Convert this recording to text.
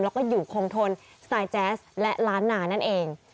แล้วก็อยู่คงทนสไตล์แจ๊สและล้านนานั่นเอง